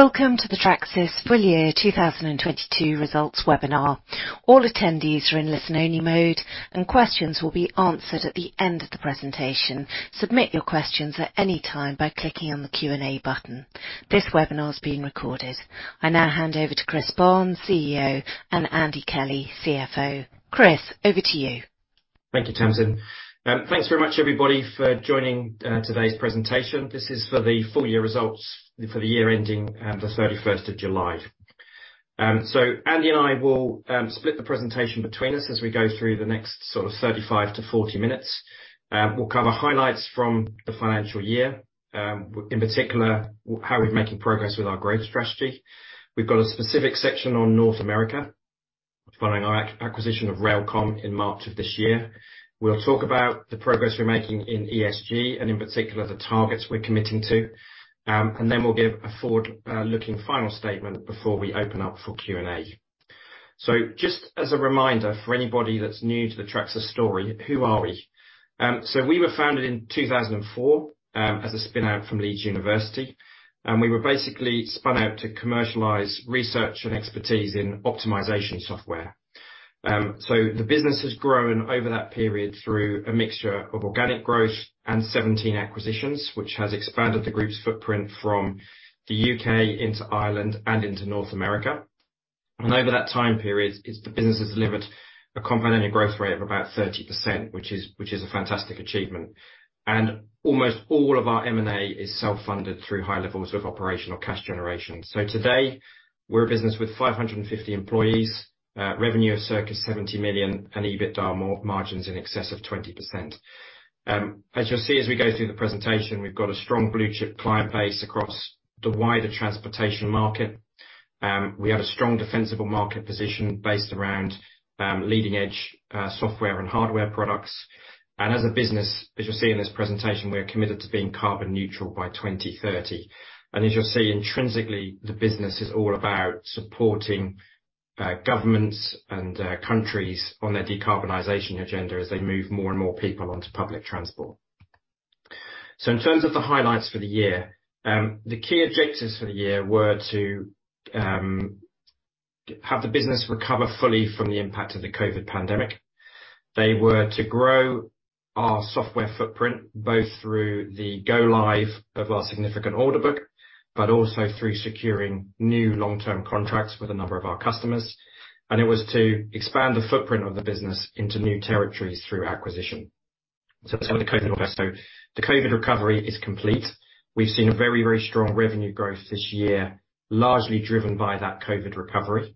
Welcome to the Tracsis full year 2022 results webinar. All attendees are in listen-only mode, and questions will be answered at the end of the presentation. Submit your questions at any time by clicking on the Q&A button. This webinar is being recorded. I now hand over to Chris Barnes, CEO, and Andy Kelly, CFO. Chris, over to you. Thank you, Tamsin. Thanks very much everybody for joining today's presentation. This is for the full year results for the year ending the thirty-first of July. Andy and I will split the presentation between us as we go through the next sort of 35-40 minutes. We'll cover highlights from the financial year, in particular, how we're making progress with our growth strategy. We've got a specific section on North America following our acquisition of RailComm in March of this year. We'll talk about the progress we're making in ESG and, in particular, the targets we're committing to. Then we'll give a forward-looking final statement before we open up for Q&A. Just as a reminder for anybody that's new to the Tracsis story, who are we? We were founded in 2004 as a spin-out from University of Leeds, and we were basically spun out to commercialize research and expertise in optimization software. The business has grown over that period through a mixture of organic growth and 17 acquisitions, which has expanded the group's footprint from the U.K. into Ireland and into North America. Over that time period, the business has delivered a compounded growth rate of about 30%, which is a fantastic achievement. Almost all of our M&A is self-funded through high levels of operational cash generation. Today, we're a business with 550 employees, revenue of circa 70 million, and EBITDA margins in excess of 20%. As you'll see as we go through the presentation, we've got a strong blue chip client base across the wider transportation market. We have a strong defensible market position based around leading-edge software and hardware products. As a business, as you'll see in this presentation, we're committed to being carbon neutral by 2030. As you'll see intrinsically, the business is all about supporting governments and countries on their decarbonization agenda as they move more and more people onto public transport. In terms of the highlights for the year, the key objectives for the year were to have the business recover fully from the impact of the COVID pandemic. They were to grow our software footprint, both through the go live of our significant order book, but also through securing new long-term contracts with a number of our customers. It was to expand the footprint of the business into new territories through acquisition. Let's start with COVID. The COVID recovery is complete. We've seen a very, very strong revenue growth this year, largely driven by that COVID recovery.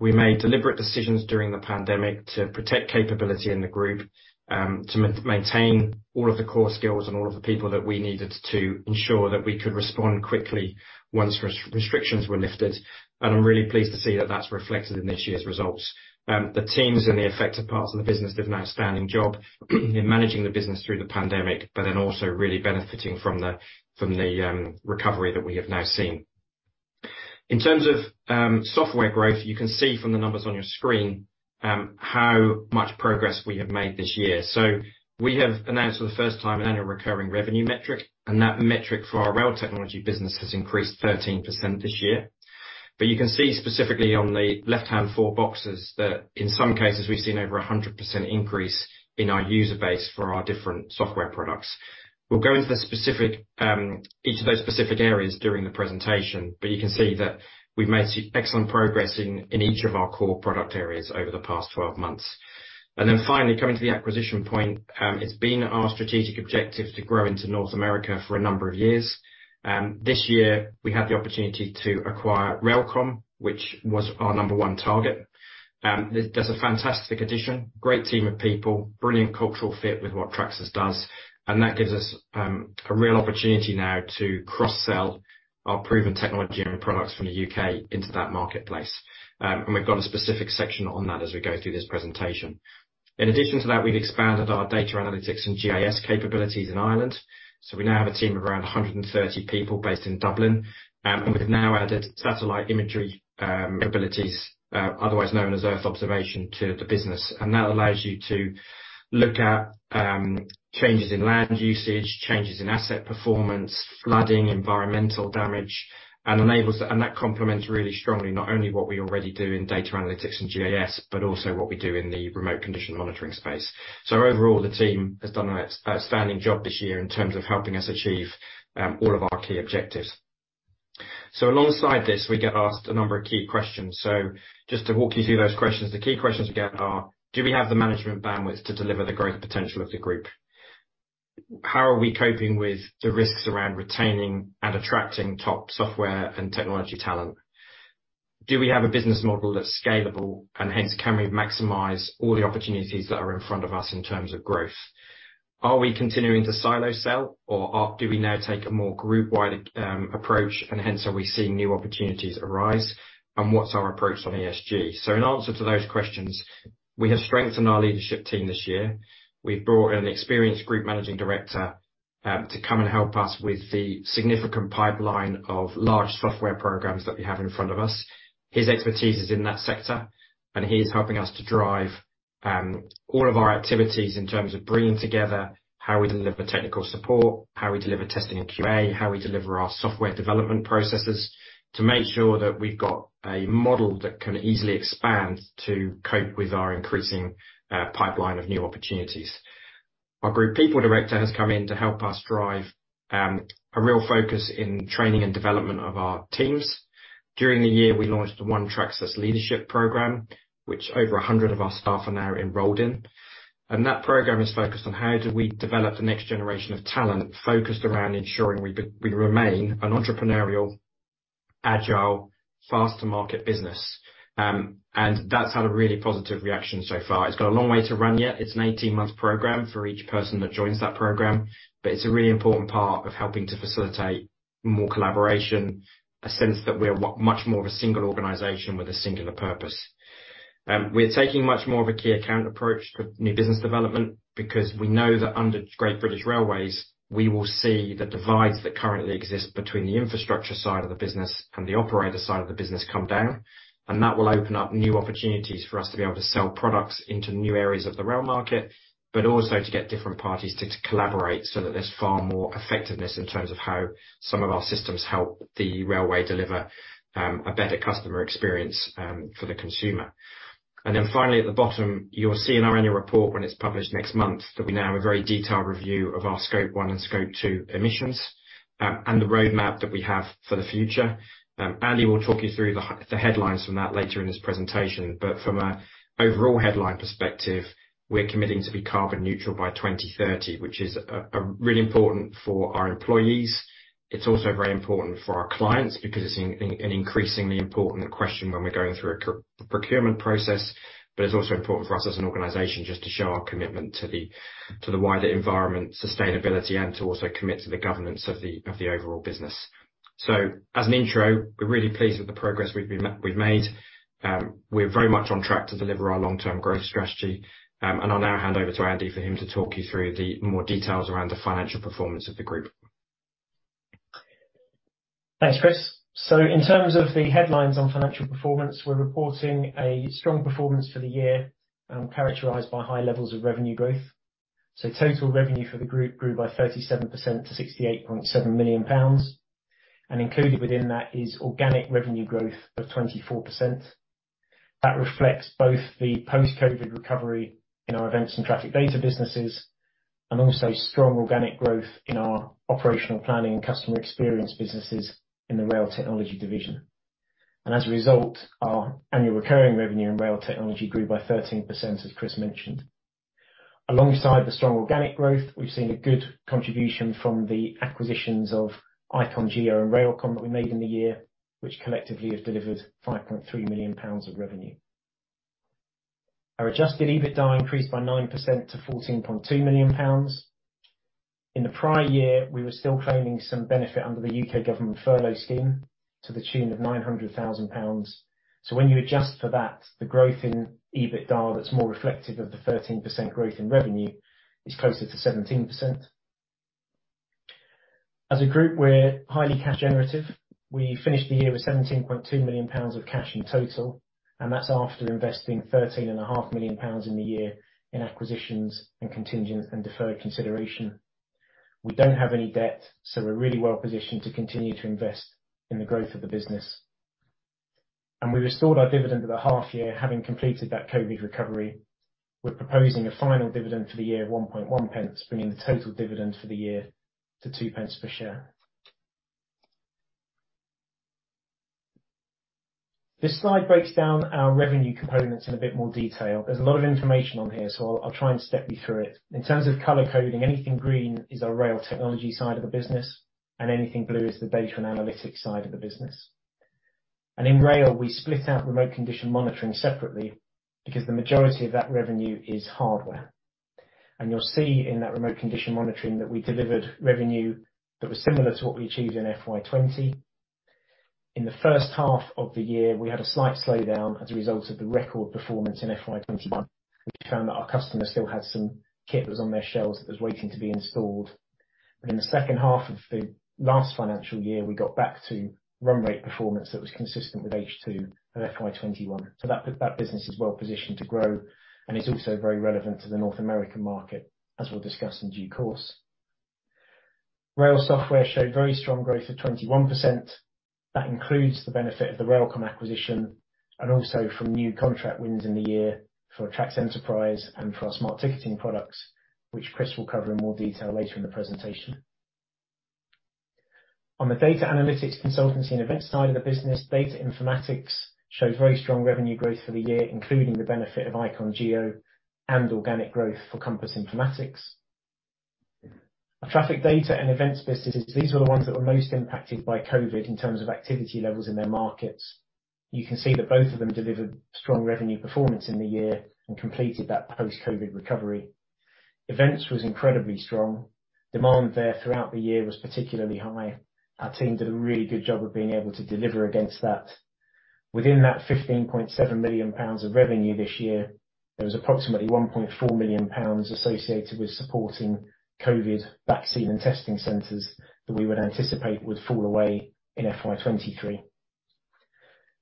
We made deliberate decisions during the pandemic to protect capability in the group, to maintain all of the core skills and all of the people that we needed to ensure that we could respond quickly once restrictions were lifted. I'm really pleased to see that that's reflected in this year's results. The teams in the affected parts of the business did an outstanding job in managing the business through the pandemic, but then also really benefiting from the recovery that we have now seen. In terms of software growth, you can see from the numbers on your screen how much progress we have made this year. We have announced for the first time an annual recurring revenue metric, and that metric for our rail technology business has increased 13% this year. You can see specifically on the left-hand four boxes that in some cases we've seen over 100% increase in our user base for our different software products. We'll go into the specific each of those specific areas during the presentation, but you can see that we've made excellent progress in each of our core product areas over the past 12 months. Finally, coming to the acquisition point, it's been our strategic objective to grow into North America for a number of years. This year, we had the opportunity to acquire RailComm, which was our number one target. That's a fantastic addition, great team of people, brilliant cultural fit with what Tracsis does, and that gives us a real opportunity now to cross-sell our proven technology and products from the U.K. into that marketplace. We've got a specific section on that as we go through this presentation. In addition to that, we've expanded our Data Analytics and GIS capabilities in Ireland. We now have a team of around 130 people based in Dublin. We've now added satellite imagery abilities, otherwise known as Earth Observation, to the business. That allows you to look at changes in land usage, changes in asset performance, flooding, environmental damage, and enables. That complements really strongly not only what we already do in Data Analytics and GIS, but also what we do in the remote condition monitoring space. Overall, the team has done an outstanding job this year in terms of helping us achieve all of our key objectives. Alongside this, we get asked a number of key questions. Just to walk you through those questions, the key questions we get are. Do we have the management bandwidth to deliver the growth potential of the group? How are we coping with the risks around retaining and attracting top software and technology talent? Do we have a business model that's scalable, and hence can we maximize all the opportunities that are in front of us in terms of growth? Are we continuing to silo sell or do we now take a more group-wide approach, and hence are we seeing new opportunities arise? And what's our approach on ESG? In answer to those questions, we have strengthened our leadership team this year. We've brought in an experienced group managing director to come and help us with the significant pipeline of large software programs that we have in front of us. His expertise is in that sector, and he is helping us to drive all of our activities in terms of bringing together how we deliver technical support, how we deliver testing and QA, how we deliver our software development processes to make sure that we've got a model that can easily expand to cope with our increasing pipeline of new opportunities. Our group people director has come in to help us drive a real focus in training and development of our teams. During the year, we launched the One Tracsis leadership program, which over 100 of our staff are now enrolled in. That program is focused on how do we develop the next generation of talent, focused around ensuring we remain an entrepreneurial, agile, fast-to-market business. That's had a really positive reaction so far. It's got a long way to run yet. It's an 18-month program for each person that joins that program, but it's a really important part of helping to facilitate more collaboration, a sense that we're much more of a single organization with a singular purpose. We're taking much more of a key account approach with new business development because we know that under Great British Railways, we will see the divides that currently exist between the infrastructure side of the business and the operator side of the business come down, and that will open up new opportunities for us to be able to sell products into new areas of the rail market, but also to get different parties to collaborate so that there's far more effectiveness in terms of how some of our systems help the railway deliver a better customer experience for the consumer. Then finally, at the bottom, you will see in our annual report when it's published next month, that we now have a very detailed review of our Scope 1 and Scope 2 emissions, and the roadmap that we have for the future. Andy will talk you through the headlines from that later in his presentation. From an overall headline perspective, we're committing to be carbon neutral by 2030, which is really important for our employees. It's also very important for our clients because it's an increasingly important question when we're going through a procurement process. It's also important for us as an organization just to show our commitment to the wider environment, sustainability, and to also commit to the governance of the overall business. As an intro, we're really pleased with the progress we've made. We're very much on track to deliver our long-term growth strategy. I'll now hand over to Andy for him to talk you through the more details around the financial performance of the group. Thanks, Chris. In terms of the headlines on financial performance, we're reporting a strong performance for the year, characterized by high levels of revenue growth. Total revenue for the group grew by 37% to 68.7 million pounds. Included within that is organic revenue growth of 24%. That reflects both the post-COVID recovery in our events and traffic data businesses, and also strong organic growth in our operational planning and customer experience businesses in the rail technology division. As a result, our annual recurring revenue in rail technology grew by 13%, as Chris mentioned. Alongside the strong organic growth, we've seen a good contribution from the acquisitions of Icon Group and RailComm that we made in the year, which collectively have delivered 5.3 million pounds of revenue. Our adjusted EBITDA increased by 9% to 14.2 million pounds. In the prior year, we were still claiming some benefit under the U.K. government furlough scheme to the tune of 900,000 pounds. When you adjust for that, the growth in EBITDA that's more reflective of the 13% growth in revenue is closer to 17%. As a group, we're highly cash generative. We finished the year with 17.2 million pounds of cash in total, and that's after investing 13.5 Million pounds in the year in acquisitions and contingent and deferred consideration. We don't have any debt, so we're really well positioned to continue to invest in the growth of the business. We restored our dividend at the half year. Having completed that COVID recovery, we're proposing a final dividend for the year of 0.011, bringing the total dividend for the year to 0.02 per share. This slide breaks down our revenue components in a bit more detail. There's a lot of information on here, so I'll try and step you through it. In terms of color coding, anything green is our rail technology side of the business, and anything blue is the data and analytics side of the business. In rail, we split out remote condition monitoring separately because the majority of that revenue is hardware. You'll see in that remote condition monitoring that we delivered revenue that was similar to what we achieved in FY 2020. In the first half of the year, we had a slight slowdown as a result of the record performance in FY 2021. We found that our customers still had some kit that was on their shelves that was waiting to be installed. In the second half of the last financial year, we got back to run rate performance that was consistent with H2 of FY 2021. That business is well positioned to grow and is also very relevant to the North American market, as we'll discuss in due course. Rail software showed very strong growth of 21%. That includes the benefit of the RailComm acquisition and also from new contract wins in the year for TRACS Enterprise and for our Smart Ticketing products, which Chris will cover in more detail later in the presentation. On the Data Analytics, Consultancy, and Events side of the business, data informatics showed very strong revenue growth for the year, including the benefit of Icon Group and organic growth for Compass Informatics. Our traffic data and events businesses, these were the ones that were most impacted by COVID in terms of activity levels in their markets. You can see that both of them delivered strong revenue performance in the year and completed that post-COVID recovery. Events was incredibly strong. Demand there throughout the year was particularly high. Our team did a really good job of being able to deliver against that. Within that 15.7 million pounds of revenue this year, there was approximately 1.4 million pounds associated with supporting COVID vaccine and testing centers that we would anticipate would fall away in FY 2023.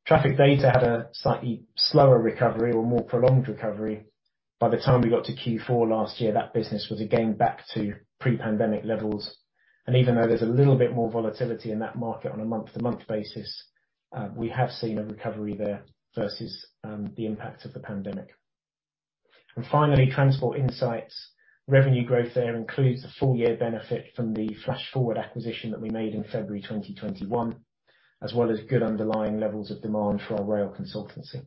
Traffic data had a slightly slower recovery or more prolonged recovery. By the time we got to Q4 last year, that business was, again, back to pre-pandemic levels. Even though there's a little bit more volatility in that market on a month-to-month basis, we have seen a recovery there versus the impact of the pandemic. Finally, transport insights. Revenue growth there includes the full year benefit from the Flash Forward acquisition that we made in February 2021, as well as good underlying levels of demand for our rail consultancy.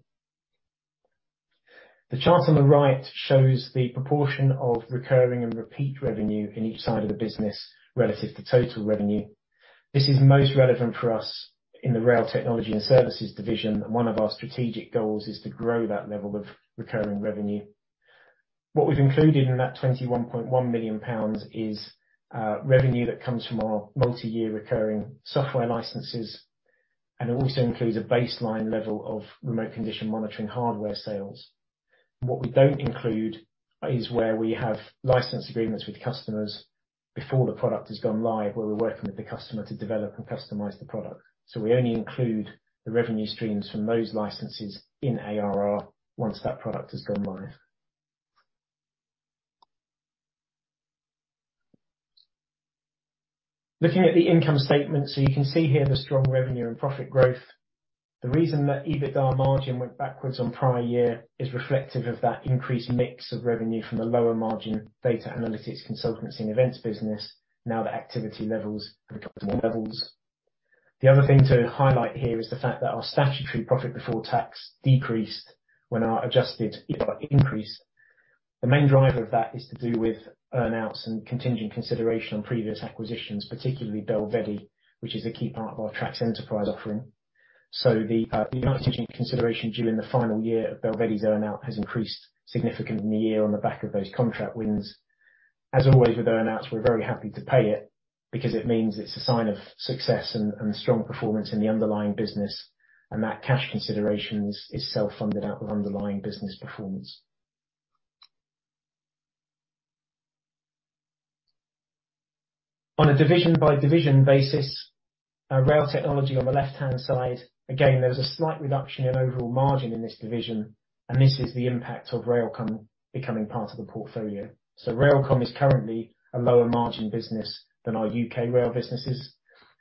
The chart on the right shows the proportion of recurring and repeat revenue in each side of the business relative to total revenue. This is most relevant for us in the Rail Technology and Services division, and one of our strategic goals is to grow that level of recurring revenue. What we've included in that 21.1 million pounds is revenue that comes from our multi-year recurring software licenses, and it also includes a baseline level of remote condition monitoring hardware sales. What we don't include is where we have license agreements with customers before the product has gone live, where we're working with the customer to develop and customize the product. We only include the revenue streams from those licenses in ARR once that product has gone live. Looking at the income statement, you can see here the strong revenue and profit growth. The reason that EBITDA margin went backwards on prior year is reflective of that increased mix of revenue from the lower margin Data Analytics, Consultancy, and Events business. Now the activity levels have become more level. The other thing to highlight here is the fact that our statutory profit before tax decreased when our adjusted EBITDA increased. The main driver of that is to do with earn-outs and contingent consideration on previous acquisitions, particularly Bellvedi, which is a key part of our TRACS Enterprise offering. The earn-out contingent consideration during the final year of Bellvedi's earn-out has increased significantly in the year on the back of those contract wins. As always, with earn-outs, we're very happy to pay it because it means it's a sign of success and strong performance in the underlying business, and that cash considerations is self-funded out of underlying business performance. On a division-by-division basis, our Rail Technology on the left-hand side, again, there's a slight reduction in overall margin in this division, and this is the impact of RailComm becoming part of the portfolio. RailComm is currently a lower margin business than our U.K. rail businesses,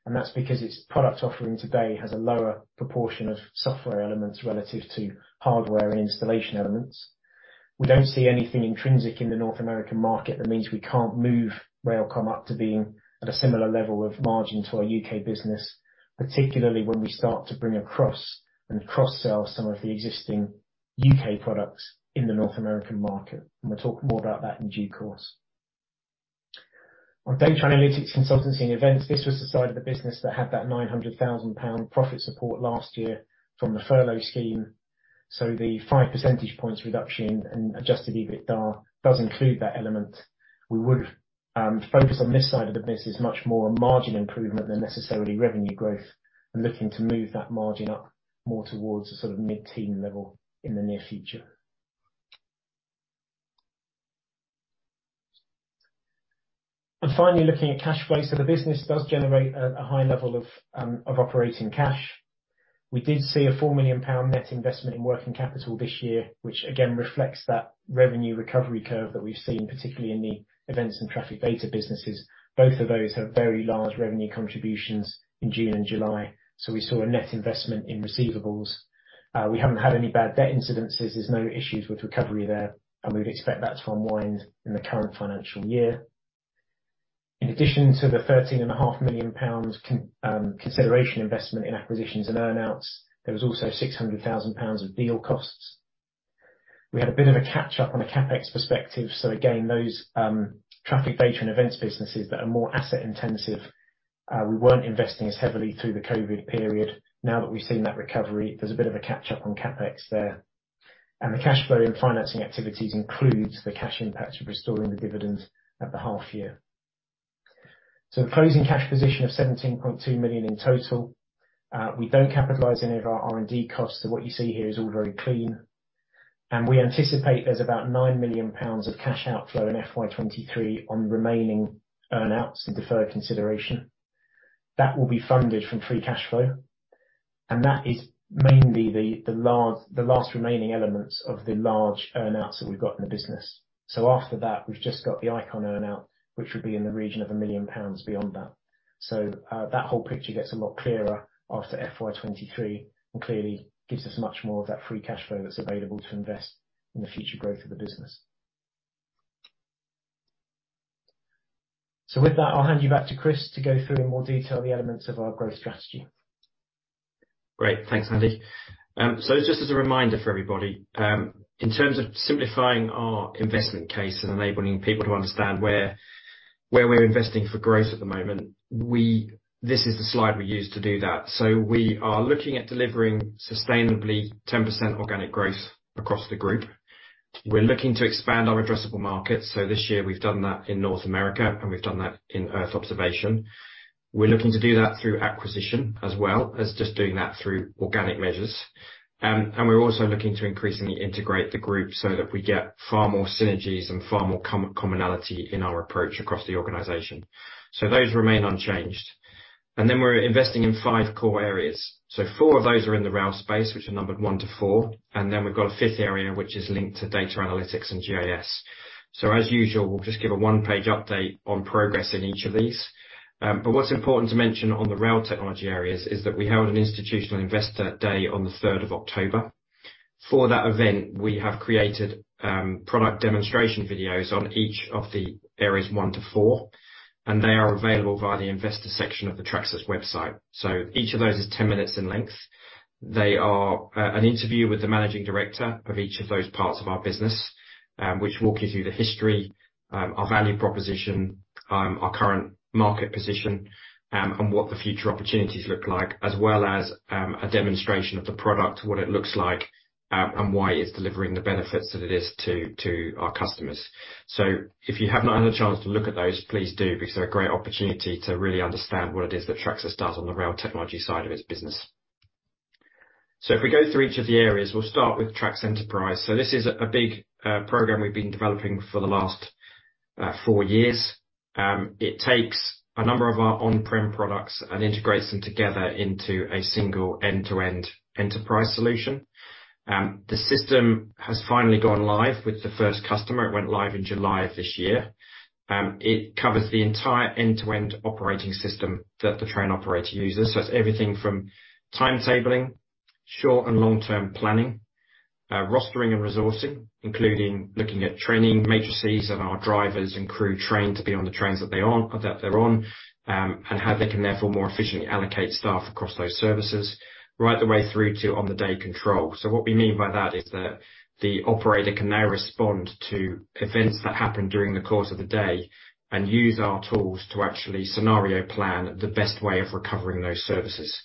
and that's because its product offering today has a lower proportion of software elements relative to hardware and installation elements. We don't see anything intrinsic in the North American market that means we can't move RailComm up to being at a similar level of margin to our U.K. business, particularly when we start to bring across and cross-sell some of the existing U.K. products in the North American market. We'll talk more about that in due course. On Data Analytics, Consultancy, and Events, this was the side of the business that had that 900,000 pound profit support last year from the furlough scheme. The 5 percentage points reduction in adjusted EBITDA does include that element. We would focus on this side of the business much more on margin improvement than necessarily revenue growth. We're looking to move that margin up more towards a sort of mid-teen level in the near future. Finally, looking at cash flow. The business does generate a high level of operating cash. We did see a 4 million pound net investment in working capital this year, which again reflects that revenue recovery curve that we've seen, particularly in the events and traffic data businesses. Both of those have very large revenue contributions in June and July. We saw a net investment in receivables. We haven't had any bad debt incidences. There's no issues with recovery there, and we'd expect that to unwind in the current financial year. In addition to the 13.5 million pounds consideration investment in acquisitions and earn-outs, there was also 600,000 pounds of deal costs. We had a bit of a catch up on a CapEx perspective, so again, those traffic data and events businesses that are more asset intensive, we weren't investing as heavily through the COVID period. Now that we've seen that recovery, there's a bit of a catch up on CapEx there. The cash flow in financing activities includes the cash impact of restoring the dividends at the half year. Closing cash position of 17.2 million in total. We don't capitalize any of our R&D costs, so what you see here is all very clean. We anticipate there's about 9 million pounds of cash outflow in FY 2023 on remaining earn-outs and deferred consideration. That will be funded from free cash flow, and that is mainly the last remaining elements of the large earn-outs that we've got in the business. After that, we've just got the Icon earn-out, which would be in the region of 1 million pounds beyond that. That whole picture gets a lot clearer after FY 2023 and clearly gives us much more of that free cash flow that's available to invest in the future growth of the business. With that, I'll hand you back to Chris to go through in more detail the elements of our growth strategy. Great. Thanks, Andy. Just as a reminder for everybody, in terms of simplifying our investment case and enabling people to understand where we're investing for growth at the moment, this is the slide we use to do that. We are looking at delivering sustainably 10% organic growth across the group. We're looking to expand our addressable market. This year we've done that in North America, and we've done that in Earth Observation. We're looking to do that through acquisition as well as just doing that through organic measures. We're also looking to increasingly integrate the group so that we get far more synergies and far more commonality in our approach across the organization. Those remain unchanged. Then we're investing in five core areas. Four of those are in the rail space, which are numbered one to four, and then we've got a fifth area which is linked to Data Analytics and GIS. As usual, we'll just give a one-page update on progress in each of these. What's important to mention on the rail technology areas is that we held an institutional investor day on the third of October. For that event, we have created product demonstration videos on each of the areas one to four, and they are available via the investor section of the Tracsis website. Each of those is 10 minutes in length. There are interviews with the managing director of each of those parts of our business, which walk you through the history, our value proposition, our current market position, and what the future opportunities look like, as well as a demonstration of the product, what it looks like, and why it's delivering the benefits that it is to our customers. If you have not had a chance to look at those, please do, because they're a great opportunity to really understand what it is that Tracsis does on the rail technology side of its business. If we go through each of the areas, we'll start with TRACS Enterprise. This is a big program we've been developing for the last four years. It takes a number of our on-prem products and integrates them together into a single end-to-end enterprise solution. The system has finally gone live with the first customer. It went live in July of this year. It covers the entire end-to-end operating system that the train operator uses. It's everything from timetabling, short and long-term planning, rostering and resourcing, including looking at training matrices and our drivers and crew trained to be on the trains that they're on, and how they can therefore more efficiently allocate staff across those services right the way through to on-the-day control. What we mean by that is that the operator can now respond to events that happen during the course of the day and use our tools to actually scenario plan the best way of recovering those services.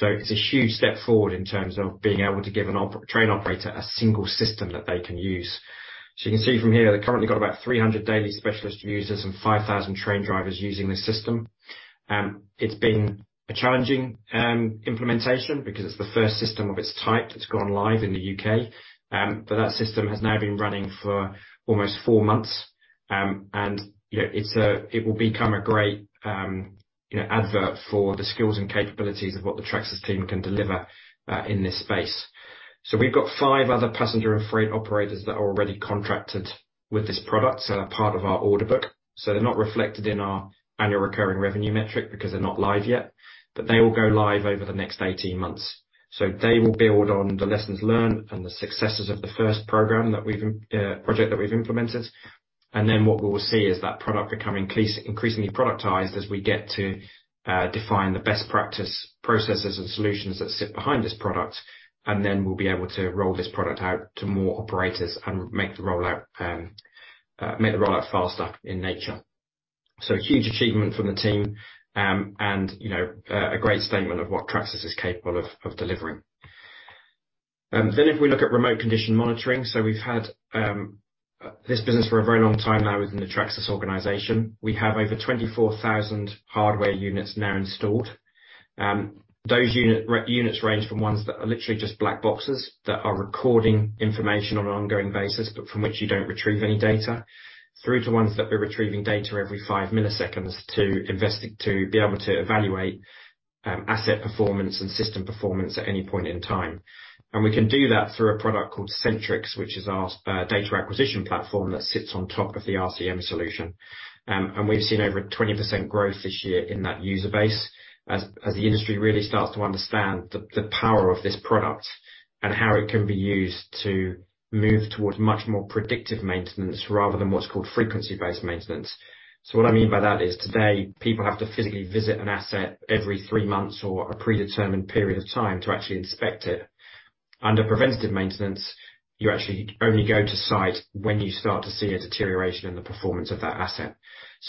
It's a huge step forward in terms of being able to give a train operator a single system that they can use. You can see from here, they currently got about 300 daily specialist users and 5,000 train drivers using this system. It's been a challenging implementation because it's the first system of its type that's gone live in the U.K., but that system has now been running for almost four months. You know, it will become a great advert for the skills and capabilities of what the Tracsis team can deliver in this space. We've got five other passenger and freight operators that are already contracted with this product, so are part of our order book. They're not reflected in our annual recurring revenue metric because they're not live yet, but they will go live over the next 18 months. They will build on the lessons learned and the successes of the first project that we've implemented. Then what we will see is that product become increasingly productized as we get to define the best practice, processes, and solutions that sit behind this product. Then we'll be able to roll this product out to more operators and make the rollout faster in nature. Huge achievement from the team, and, you know, a great statement of what Tracsis is capable of delivering. Then if we look at remote condition monitoring, so we've had this business for a very long time now within the Tracsis organization. We have over 24,000 hardware units now installed. Those units range from ones that are literally just black boxes that are recording information on an ongoing basis, but from which you don't retrieve any data, through to ones that we're retrieving data every 5 ms to be able to evaluate asset performance and system performance at any point in time. We can do that through a product called Centrix, which is our data acquisition platform that sits on top of the RCM solution. We've seen over 20% growth this year in that user base as the industry really starts to understand the power of this product and how it can be used to move towards much more predictive maintenance rather than what's called frequency-based maintenance. What I mean by that is today, people have to physically visit an asset every three months or a predetermined period of time to actually inspect it. Under preventative maintenance, you actually only go to site when you start to see a deterioration in the performance of that asset.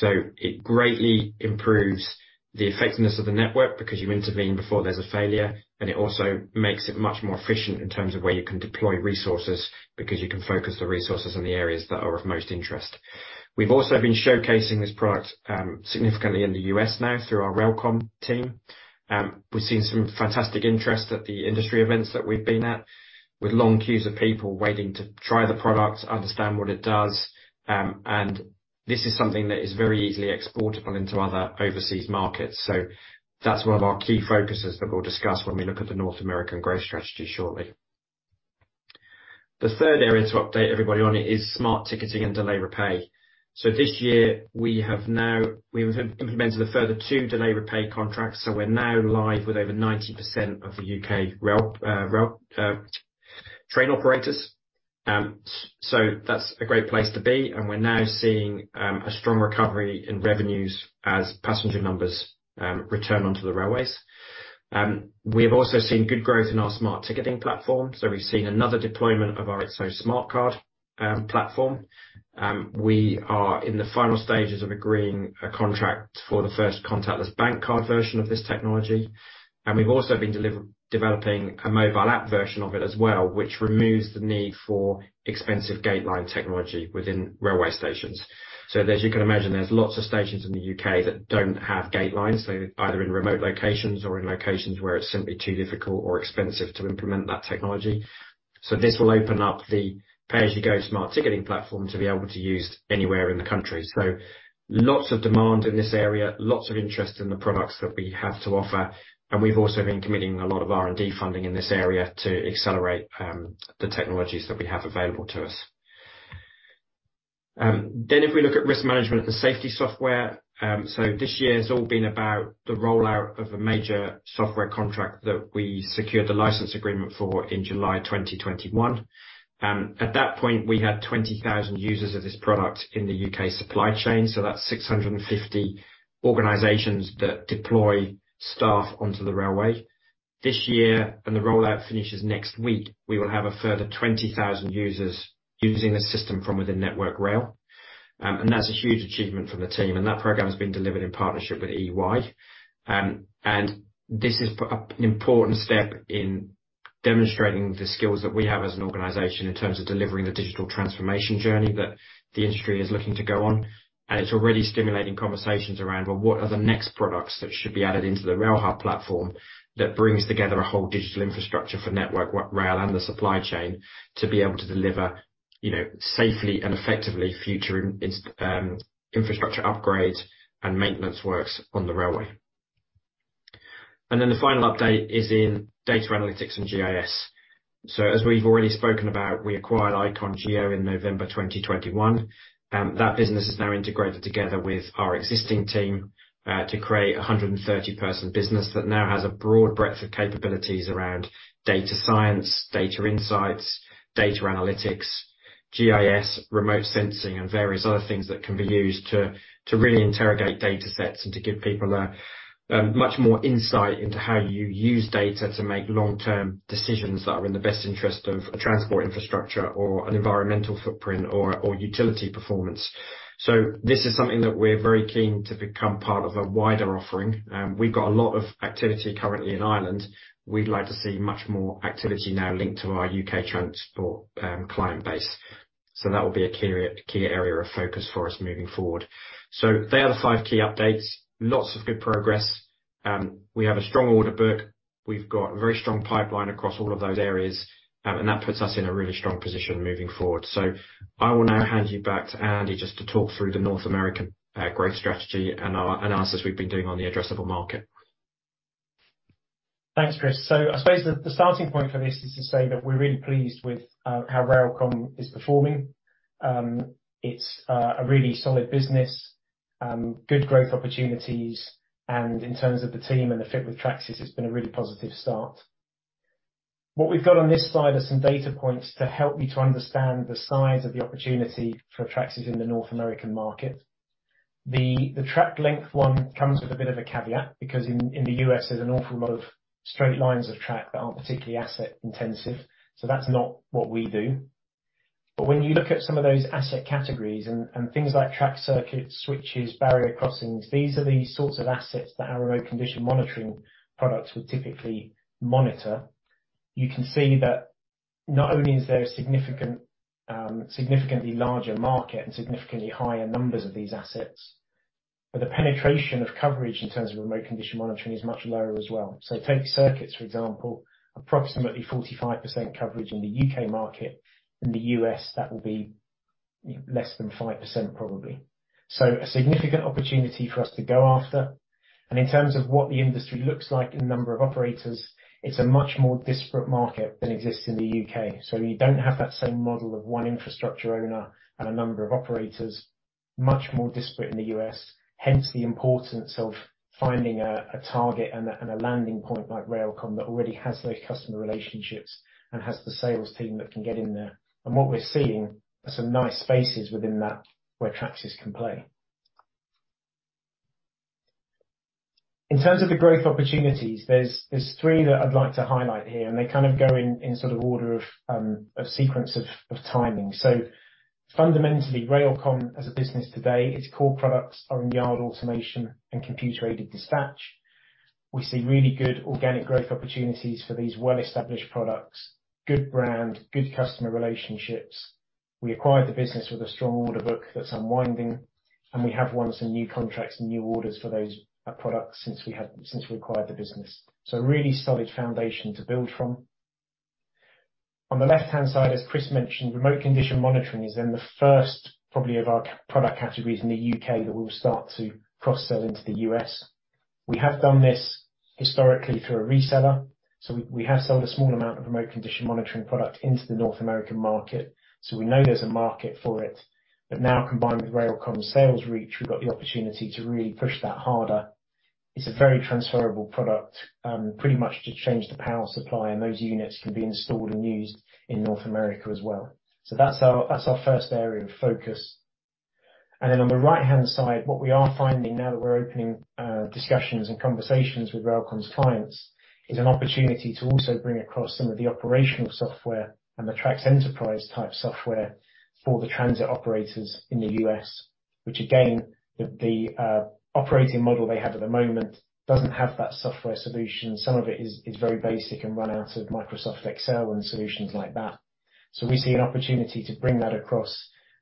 It greatly improves the effectiveness of the network because you intervene before there's a failure, and it also makes it much more efficient in terms of where you can deploy resources because you can focus the resources on the areas that are of most interest. We've also been showcasing this product significantly in the U.S. now through our RailComm team. We've seen some fantastic interest at the industry events that we've been at, with long queues of people waiting to try the product, understand what it does, and this is something that is very easily exportable into other overseas markets. That's one of our key focuses that we'll discuss when we look at the North American growth strategy shortly. The third area to update everybody on is Smart Ticketing and Delay Repay. This year, we have now implemented a further two Delay Repay contracts, so we're now live with over 90% of the U.K. rail train operators. That's a great place to be, and we're now seeing a strong recovery in revenues as passenger numbers return onto the railways. We have also seen good growth in our Smart Ticketing platform, so we've seen another deployment of our ITSO smartcard platform. We are in the final stages of agreeing a contract for the first contactless bank card version of this technology. We've also been developing a mobile app version of it as well, which removes the need for expensive gate line technology within railway stations. As you can imagine, there's lots of stations in the U.K. that don't have gate lines, so either in remote locations or in locations where it's simply too difficult or expensive to implement that technology. This will open up the pay-as-you-go Smart Ticketing platform to be able to use anywhere in the country. Lots of demand in this area, lots of interest in the products that we have to offer, and we've also been committing a lot of R&D funding in this area to accelerate the technologies that we have available to us. If we look at risk management and safety software, this year has all been about the rollout of a major software contract that we secured the license agreement for in July 2021. At that point, we had 20,000 users of this product in the U.K. supply chain, so that's 650 organizations that deploy staff onto the railway. This year, and the rollout finishes next week, we will have a further 20,000 users using the system from within Network Rail. That's a huge achievement from the team, and that program has been delivered in partnership with EY. This has put us on an important step in demonstrating the skills that we have as an organization in terms of delivering the digital transformation journey that the industry is looking to go on. It's already stimulating conversations around, well, what are the next products that should be added into the RailHub platform that brings together a whole digital infrastructure for Network Rail and the supply chain to be able to deliver, you know, safely and effectively future infrastructure upgrades and maintenance works on the railway. The final update is in Data Analytics and GIS. As we've already spoken about, we acquired Icon Group in November 2021. That business is now integrated together with our existing team to create a 130-person business that now has a broad breadth of capabilities around data science, data insights, data analytics, GIS, remote sensing, and various other things that can be used to really interrogate data sets and to give people a much more insight into how you use data to make long-term decisions that are in the best interest of a transport infrastructure or an environmental footprint or utility performance. This is something that we're very keen to become part of a wider offering. We've got a lot of activity currently in Ireland. We'd like to see much more activity now linked to our U.K. transport client base. That will be a key area of focus for us moving forward. They are the five key updates. Lots of good progress. We have a strong order book. We've got a very strong pipeline across all of those areas, and that puts us in a really strong position moving forward. I will now hand you back to Andy just to talk through the North American growth strategy and our analysis we've been doing on the addressable market. Thanks, Chris. I suppose the starting point for this is to say that we're really pleased with how RailComm is performing. It's a really solid business, good growth opportunities, and in terms of the team and the fit with Tracsis, it's been a really positive start. What we've got on this slide are some data points to help you to understand the size of the opportunity for Tracsis in the North American market. The track length one comes with a bit of a caveat because in the U.S. there's an awful lot of straight lines of track that aren't particularly asset intensive, so that's not what we do. When you look at some of those asset categories and things like track circuits, switches, barrier crossings, these are the sorts of assets that our remote condition monitoring products would typically monitor. You can see that not only is there a significantly larger market and significantly higher numbers of these assets, but the penetration of coverage in terms of remote condition monitoring is much lower as well. Take circuits, for example, approximately 45% coverage in the U.K. market. In the U.S., that will be less than 5% probably. A significant opportunity for us to go after. In terms of what the industry looks like in number of operators, it is a much more disparate market than exists in the U.K. You do not have that same model of one infrastructure owner and a number of operators, much more disparate in the U.S., hence the importance of finding a target and a landing point like RailComm that already has those customer relationships and has the sales team that can get in there. What we're seeing are some nice spaces within that where Tracsis can play. In terms of the growth opportunities, there's three that I'd like to highlight here, and they kind of go in sort of order of sequence of timing. Fundamentally, RailComm as a business today, its core products are in yard automation and computer-aided dispatch. We see really good organic growth opportunities for these well-established products, good brand, good customer relationships. We acquired the business with a strong order book that's unwinding, and we have won some new contracts and new orders for those products since we acquired the business. A really solid foundation to build from. On the left-hand side, as Chris mentioned, remote condition monitoring is then the first probably of our product categories in the U.K. that we'll start to cross-sell into the U.S. We have done this historically through a reseller. We have sold a small amount of remote condition monitoring product into the North American market, so we know there's a market for it. Now combined with RailComm sales reach, we've got the opportunity to really push that harder. It's a very transferable product, pretty much just change the power supply and those units can be installed and used in North America as well. That's our first area of focus. On the right-hand side, what we are finding now that we're opening discussions and conversations with RailComm's clients, is an opportunity to also bring across some of the operational software and the TRACS Enterprise type software for the transit operators in the U.S. Which again, the operating model they have at the moment doesn't have that software solution. Some of it is very basic and run out of Microsoft Excel and solutions like that. We see an opportunity to bring that across.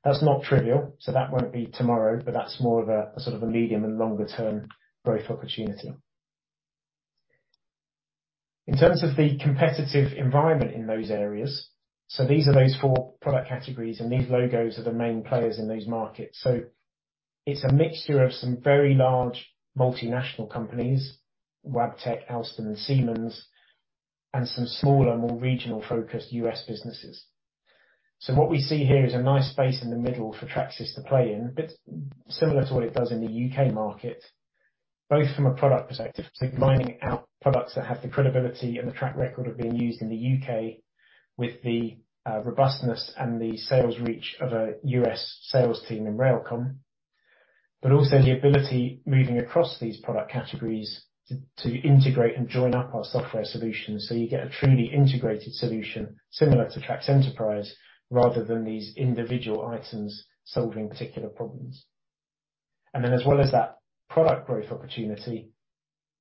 That's not trivial, so that won't be tomorrow, but that's more of a sort of a medium and longer term growth opportunity. In terms of the competitive environment in those areas, these are those four product categories, and these logos are the main players in those markets. It's a mixture of some very large multinational companies, Wabtec, Alstom, and Siemens, and some smaller, more regional-focused U.S. businesses. What we see here is a nice space in the middle for Tracsis to play in, but similar to what it does in the U.K. market, both from a product perspective, so many of our products that have the credibility and the track record of being used in the U.K. with the robustness and the sales reach of a U.S. sales team in RailComm, but also the ability, moving across these product categories, to integrate and join up our software solutions so you get a truly integrated solution similar to TRACS Enterprise rather than these individual items solving particular problems. As well as that product growth opportunity,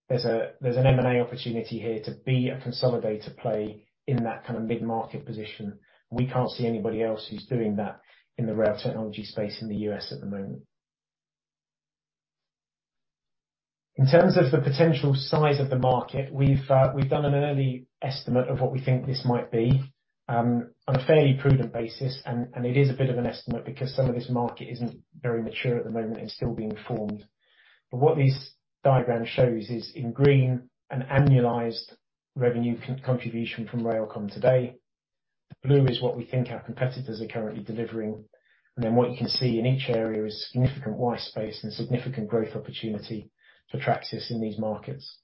there's an M&A opportunity here to be a consolidator play in that kind of mid-market position. We can't see anybody else who's doing that in the rail technology space in the U.S. at the moment. In terms of the potential size of the market, we've done an early estimate of what we think this might be on a fairly prudent basis. It is a bit of an estimate because some of this market isn't very mature at the moment and still being formed. What this diagram shows is in green an annualized revenue contribution from RailComm today. The blue is what we think our competitors are currently delivering. Then what you can see in each area is significant white space and significant growth opportunity for Tracsis in these markets.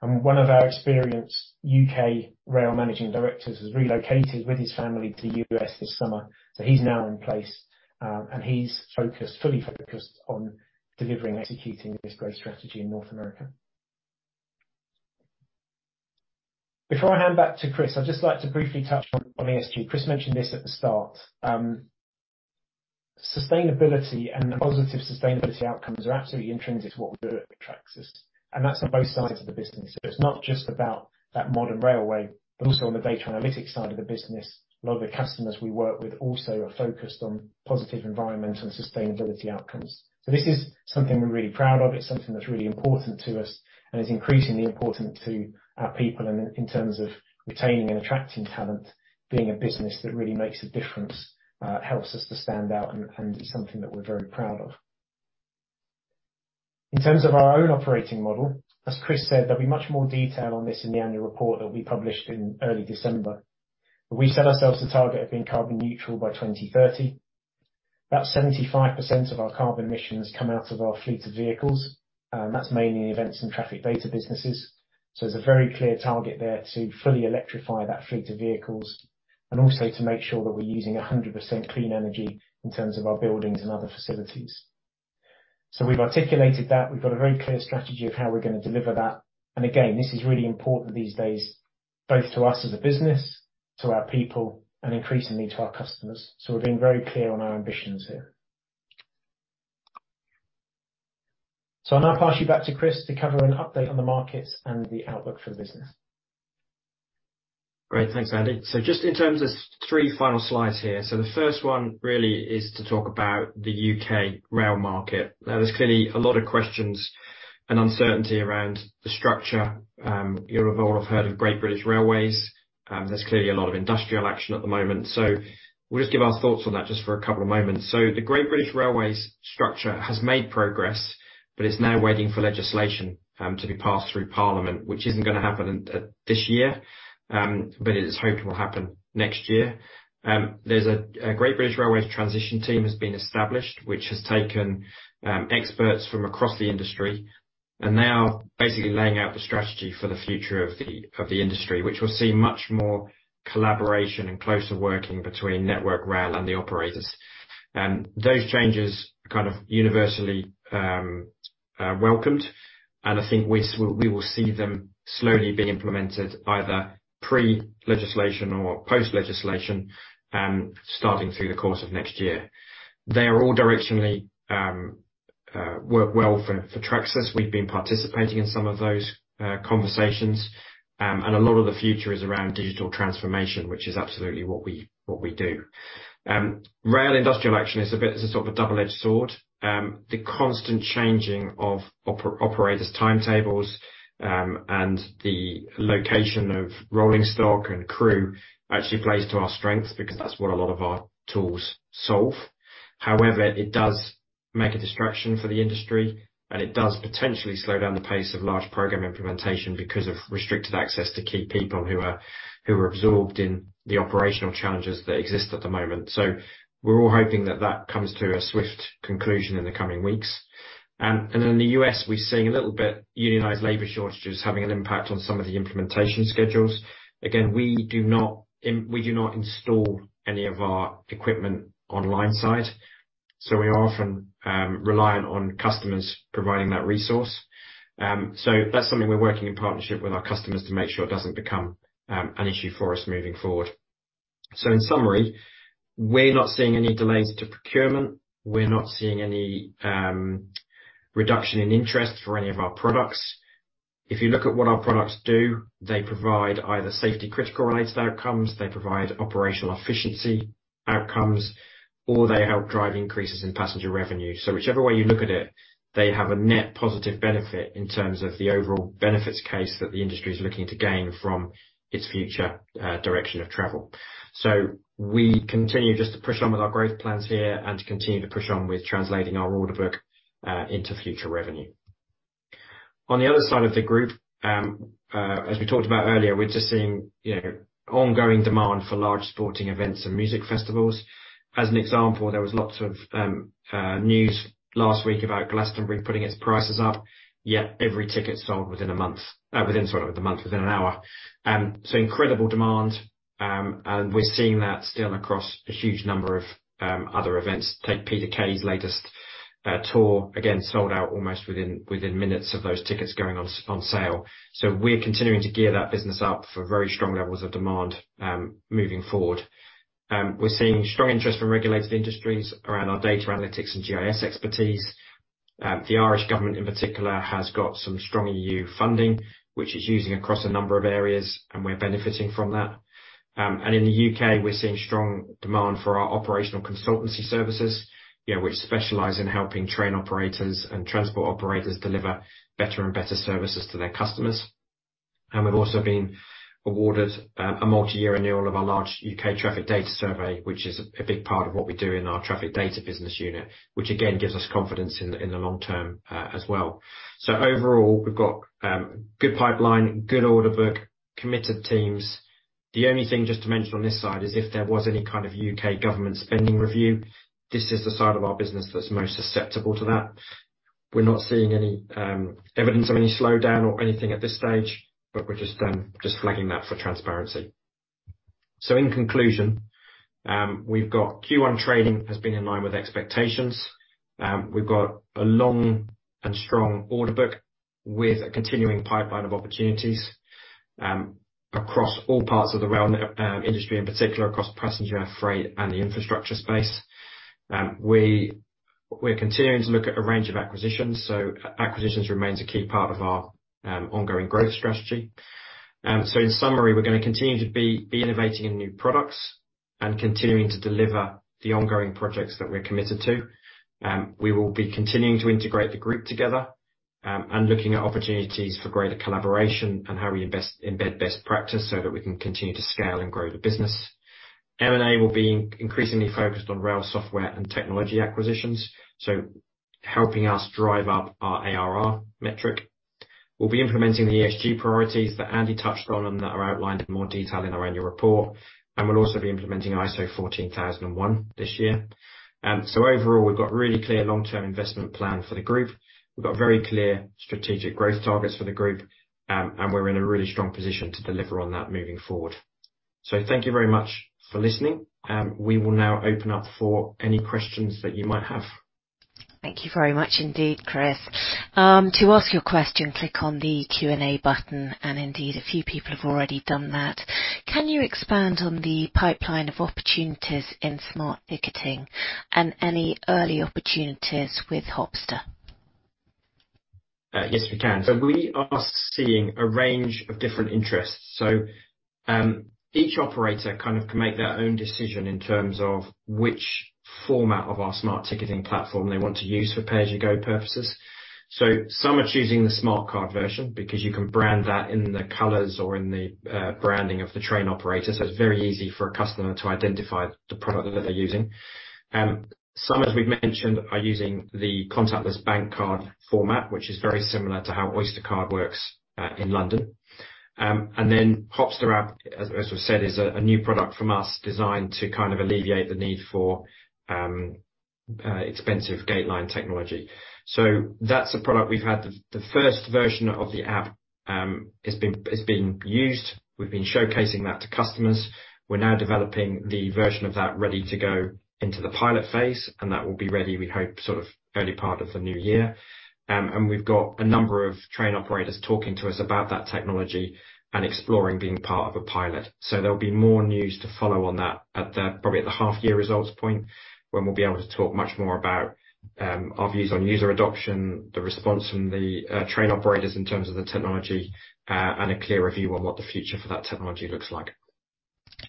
One of our experienced U.K. rail managing directors has relocated with his family to the U.S. this summer, so he's now in place, and he's focused, fully focused on delivering and executing this growth strategy in North America. Before I hand back to Chris, I'd just like to briefly touch on ESG. Chris mentioned this at the start. Sustainability and positive sustainability outcomes are absolutely intrinsic to what we do at Tracsis, and that's on both sides of the business. It's not just about that modern railway, but also on the Data Analytics side of the business. A lot of the customers we work with also are focused on positive environmental and sustainability outcomes. This is something we're really proud of. It's something that's really important to us, and it's increasingly important to our people in terms of retaining and attracting talent. Being a business that really makes a difference helps us to stand out and it's something that we're very proud of. In terms of our own operating model, as Chris said, there'll be much more detail on this in the annual report that we publish in early December. We set ourselves a target of being carbon neutral by 2030. About 75% of our carbon emissions come out of our fleet of vehicles. That's mainly events and traffic data businesses. There's a very clear target there to fully electrify that fleet of vehicles and also to make sure that we're using 100% clean energy in terms of our buildings and other facilities. We've articulated that. We've got a very clear strategy of how we're gonna deliver that. Again, this is really important these days, both to us as a business, to our people, and increasingly to our customers. We're being very clear on our ambitions here. I'll now pass you back to Chris to cover an update on the markets and the outlook for the business. Great. Thanks, Andy. Just in terms of the three final slides here. The first one really is to talk about the U.K. rail market. Now, there's clearly a lot of questions and uncertainty around the structure. You'll all have heard of Great British Railways. There's clearly a lot of industrial action at the moment. We'll just give our thoughts on that just for a couple of moments. The Great British Railways structure has made progress, but it's now waiting for legislation to be passed through Parliament, which isn't gonna happen in this year, but it is hoped will happen next year. There's a Great British Railways Transition Team has been established, which has taken experts from across the industry and now basically laying out the strategy for the future of the industry, which will see much more collaboration and closer working between Network Rail and the operators. Those changes are kind of universally welcomed, and I think we will see them slowly being implemented either pre-legislation or post-legislation, starting through the course of next year. They are all directionally work well for Tracsis. We've been participating in some of those conversations. A lot of the future is around digital transformation, which is absolutely what we do. Rail industrial action is a bit, it's a sort of a double-edged sword. The constant changing of operators' timetables, and the location of rolling stock and crew actually plays to our strengths because that's what a lot of our tools solve. However, it does make a distraction for the industry, and it does potentially slow down the pace of large program implementation because of restricted access to key people who are absorbed in the operational challenges that exist at the moment, so we're all hoping that comes to a swift conclusion in the coming weeks. In the U.S., we're seeing a little bit unionized labor shortages having an impact on some of the implementation schedules. Again, we do not install any of our equipment on-site, so we are often reliant on customers providing that resource. That's something we're working in partnership with our customers to make sure it doesn't become an issue for us moving forward. In summary, we're not seeing any delays to procurement. We're not seeing any reduction in interest for any of our products. If you look at what our products do, they provide either safety critical related outcomes, they provide operational efficiency outcomes, or they help drive increases in passenger revenue. Whichever way you look at it, they have a net positive benefit in terms of the overall benefits case that the industry is looking to gain from its future direction of travel. We continue just to push on with our growth plans here and to continue to push on with translating our order book into future revenue. On the other side of the group, as we talked about earlier, we're just seeing, you know, ongoing demand for large sporting events and music festivals. As an example, there was lots of news last week about Glastonbury putting its prices up, yet every ticket sold within an hour. So incredible demand, and we're seeing that still across a huge number of other events. Take Peter Kay's latest tour, again, sold out almost within minutes of those tickets going on sale. So we're continuing to gear that business up for very strong levels of demand, moving forward. We're seeing strong interest from regulated industries around our Data Analytics and GIS expertise. The Irish government in particular has got some strong EU funding, which it's using across a number of areas, and we're benefiting from that. In the U.K., we're seeing strong demand for our operational consultancy services, you know, which specialize in helping train operators and transport operators deliver better and better services to their customers. We've also been awarded a multi-year renewal of our large U.K. traffic data survey, which is a big part of what we do in our traffic data business unit, which again gives us confidence in the long term, as well. Overall, we've got good pipeline, good order book, committed teams. The only thing just to mention on this side is if there was any kind of U.K. government spending review, this is the side of our business that's most susceptible to that. We're not seeing any evidence of any slowdown or anything at this stage, but we're just flagging that for transparency. In conclusion, we've got Q1 trading has been in line with expectations. We've got a long and strong order book with a continuing pipeline of opportunities across all parts of the rail industry, in particular across passenger, freight, and the infrastructure space. We're continuing to look at a range of acquisitions, so acquisitions remains a key part of our ongoing growth strategy. In summary, we're gonna continue to be innovating in new products and continuing to deliver the ongoing projects that we're committed to. We will be continuing to integrate the group together, and looking at opportunities for greater collaboration and how we embed best practice so that we can continue to scale and grow the business. M&A will be increasingly focused on rail software and technology acquisitions, so helping us drive up our ARR metric. We'll be implementing the ESG priorities that Andy touched on and that are outlined in more detail in our annual report. We'll also be implementing ISO 14001 this year. Overall, we've got really clear long-term investment plan for the group. We've got very clear strategic growth targets for the group. We're in a really strong position to deliver on that moving forward. Thank you very much for listening. We will now open up for any questions that you might have. Thank you very much indeed, Chris. To ask your question, click on the Q&A button, and indeed a few people have already done that. Can you expand on the pipeline of opportunities in Smart Ticketing and any early opportunities with Hopsta? Yes, we can. We are seeing a range of different interests. Each operator kind of can make their own decision in terms of which format of our Smart Ticketing platform they want to use for pay as you go purposes. Some are choosing the smart card version because you can brand that in the colors or in the branding of the train operator, so it's very easy for a customer to identify the product that they're using. Some, as we've mentioned, are using the contactless bank card format, which is very similar to how Oyster card works in London. And then Hopsta app, as we've said, is a new product from us designed to kind of alleviate the need for expensive gate line technology. That's a product we've had. The first version of the app has been used. We've been showcasing that to customers. We're now developing the version of that ready to go into the pilot phase, and that will be ready, we hope, sort of early part of the new year. We've got a number of train operators talking to us about that technology and exploring being part of a pilot. There'll be more news to follow on that at the, probably at the half-year results point when we'll be able to talk much more about our views on user adoption, the response from the train operators in terms of the technology, and a clearer view on what the future for that technology looks like.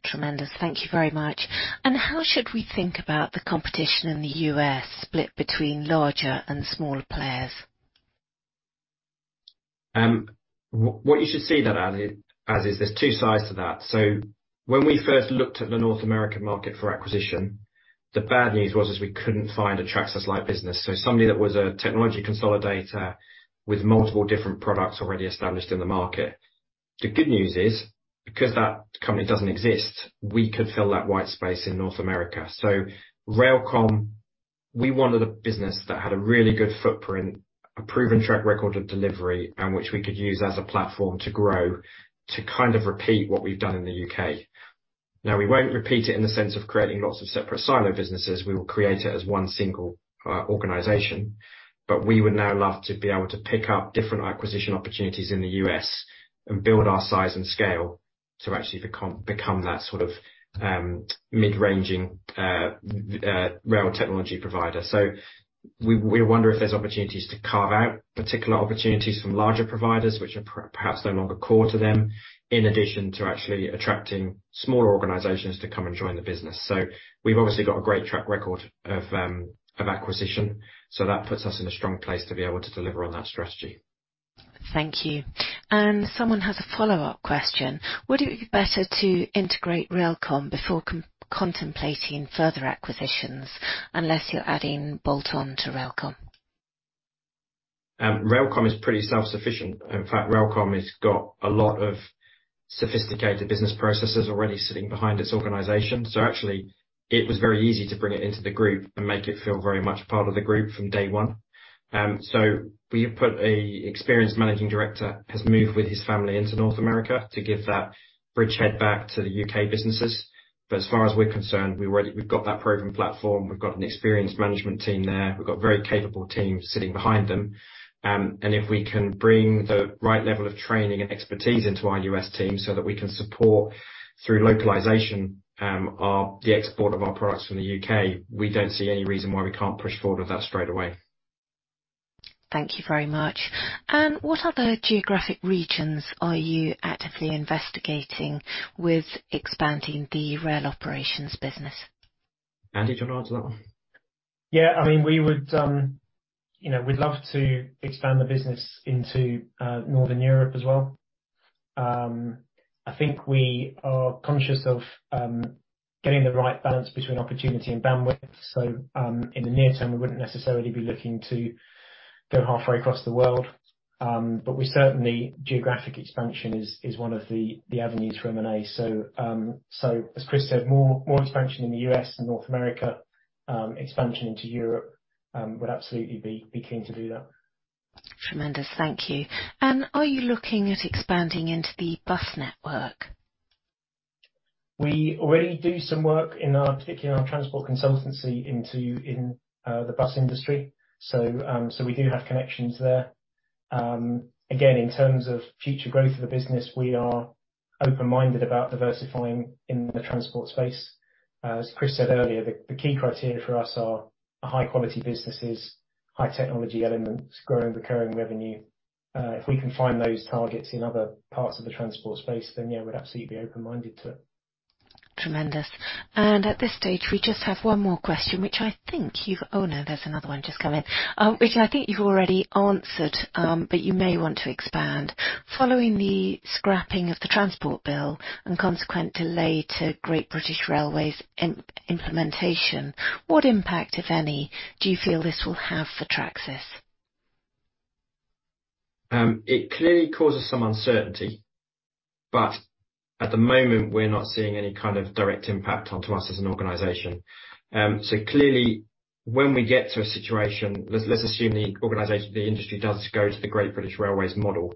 Tremendous. Thank you very much. How should we think about the competition in the U.S. split between larger and smaller players? What you should see, Andy, is there's two sides to that. When we first looked at the North American market for acquisition, the bad news was, we couldn't find a Tracsis-like business, so somebody that was a technology consolidator with multiple different products already established in the market. The good news is, because that company doesn't exist, we could fill that white space in North America. RailComm, we wanted a business that had a really good footprint, a proven track record of delivery, and which we could use as a platform to grow to kind of repeat what we've done in the U.K. Now, we won't repeat it in the sense of creating lots of separate silo businesses. We will create it as one single organization. We would now love to be able to pick up different acquisition opportunities in the U.S. and build our size and scale to actually become that sort of mid-ranging rail technology provider. We wonder if there's opportunities to carve out particular opportunities from larger providers which are perhaps no longer core to them, in addition to actually attracting smaller organizations to come and join the business. We've obviously got a great track record of acquisition, so that puts us in a strong place to be able to deliver on that strategy. Thank you. Someone has a follow-up question. Would it be better to integrate RailComm before contemplating further acquisitions, unless you're adding bolt-on to RailComm? RailComm is pretty self-sufficient. In fact, RailComm has got a lot of sophisticated business processes already sitting behind its organization. Actually, it was very easy to bring it into the group and make it feel very much part of the group from day one. Experienced managing director has moved with his family into North America to give that bridgehead back to the U.K. businesses. As far as we're concerned, we've got that proven platform. We've got an experienced management team there. We've got very capable team sitting behind them. If we can bring the right level of training and expertise into our U.S. team so that we can support through localization, the export of our products from the U.K., we don't see any reason why we can't push forward with that straightaway. Thank you very much. What other geographic regions are you actively investigating with expanding the rail operations business? Andy, do you wanna answer that one? Yeah. I mean, we would, you know, we'd love to expand the business into Northern Europe as well. I think we are conscious of getting the right balance between opportunity and bandwidth. In the near term, we wouldn't necessarily be looking to go halfway across the world. We certainly geographic expansion is one of the avenues for M&A. As Chris said, more expansion in the U.S. and North America, expansion into Europe, would absolutely be keen to do that. Tremendous. Thank you. Are you looking at expanding into the bus network? We already do some work, particularly in our transport consultancy into the bus industry. We do have connections there. Again, in terms of future growth of the business, we are open-minded about diversifying in the transport space. As Chris said earlier, the key criteria for us are high quality businesses, high technology elements, growing recurring revenue. If we can find those targets in other parts of the transport space, then yeah, we're absolutely open-minded to it. Tremendous. At this stage, we just have one more question, which I think. Oh, no, there's another one just come in, which I think you've already answered, but you may want to expand. Following the scrapping of the Transport Bill and consequent delay to Great British Railways' implementation, what impact, if any, do you feel this will have for Tracsis? It clearly causes some uncertainty, but at the moment we're not seeing any kind of direct impact onto us as an organization. Clearly when we get to a situation, let's assume the industry does go to the Great British Railways model,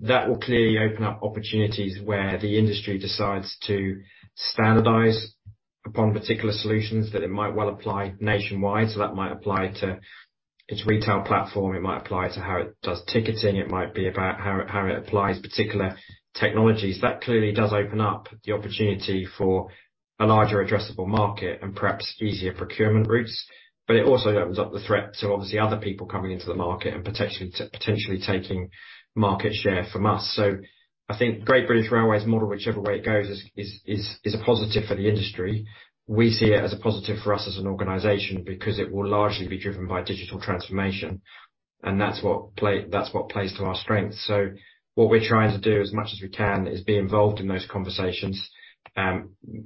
that will clearly open up opportunities where the industry decides to standardize upon particular solutions that it might well apply nationwide. That might apply to its retail platform, it might apply to how it does ticketing, it might be about how it applies particular technologies. That clearly does open up the opportunity for a larger addressable market and perhaps easier procurement routes. It also opens up the threat to obviously other people coming into the market and potentially taking market share from us. I think Great British Railways model, whichever way it goes, is a positive for the industry. We see it as a positive for us as an organization because it will largely be driven by digital transformation, and that's what plays to our strengths. What we're trying to do as much as we can is be involved in those conversations,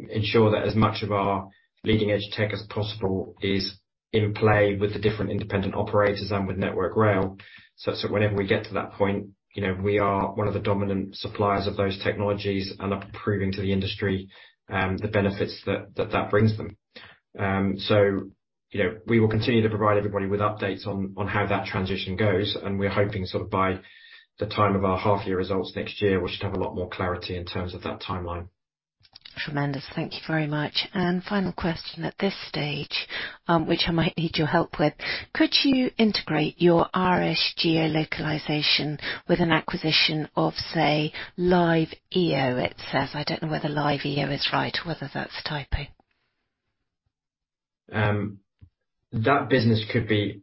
ensure that as much of our leading edge tech as possible is in play with the different independent operators and with Network Rail. Whenever we get to that point, you know, we are one of the dominant suppliers of those technologies and are proving to the industry, the benefits that that brings them. you know, we will continue to provide everybody with updates on how that transition goes, and we're hoping sort of by the time of our half-year results next year, we should have a lot more clarity in terms of that timeline. Tremendous. Thank you very much. Final question at this stage, which I might need your help with. Could you integrate your RS and GIS localization with an acquisition of, say, LiveEO, it says. I don't know whether LiveEO is right or whether that's typing. That business could be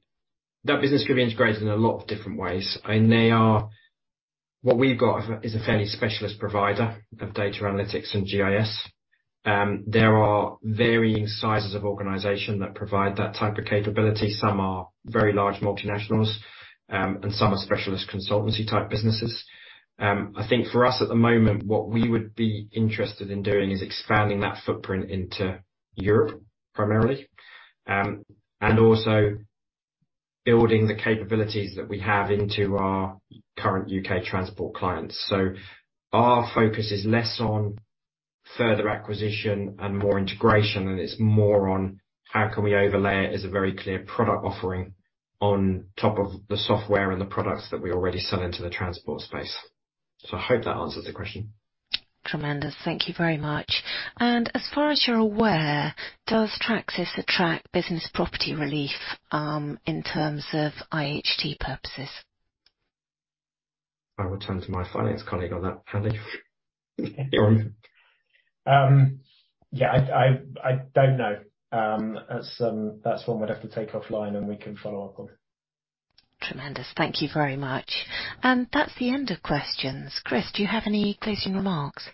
integrated in a lot of different ways. What we've got is a fairly specialist provider of Data Analytics and GIS. There are varying sizes of organization that provide that type of capability. Some are very large multinationals, and some are specialist consultancy type businesses. I think for us at the moment, what we would be interested in doing is expanding that footprint into Europe primarily, and also building the capabilities that we have into our current U.K. transport clients. Our focus is less on further acquisition and more integration, and it's more on how can we overlay it as a very clear product offering on top of the software and the products that we already sell into the transport space. I hope that answers the question. Tremendous. Thank you very much. As far as you're aware, does Tracsis attract Business Property Relief, in terms of IHT purposes? I will turn to my finance colleague on that. Andy? Yeah, I don't know. That's one we'd have to take offline, and we can follow up on. Tremendous. Thank you very much. That's the end of questions. Chris, do you have any closing remarks?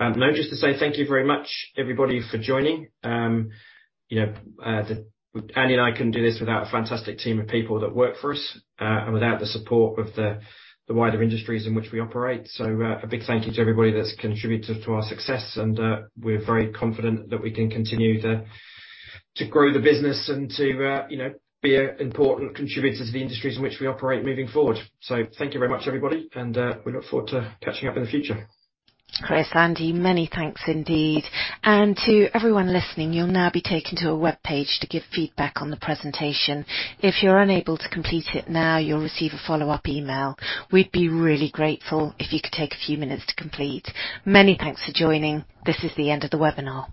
No, just to say thank you very much everybody for joining. You know, Andy Kelly and I couldn't do this without a fantastic team of people that work for us, and without the support of the wider industries in which we operate. A big thank you to everybody that's contributed to our success, and we're very confident that we can continue to grow the business and to you know, be an important contributor to the industries in which we operate moving forward. Thank you very much, everybody, and we look forward to catching up in the future. Chris, Andy, many thanks indeed. To everyone listening, you'll now be taken to a webpage to give feedback on the presentation. If you're unable to complete it now, you'll receive a follow-up email. We'd be really grateful if you could take a few minutes to complete. Many thanks for joining. This is the end of the webinar.